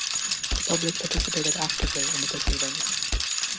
The public participated actively in the proceedings.